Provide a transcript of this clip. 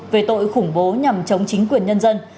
về tội khủng bố nhằm chống chính quyền nhân dân